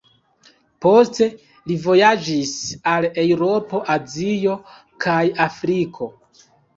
Poste li vojaĝis al Eŭropo, Azio kaj Afriko.